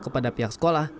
kepada pihak sekolah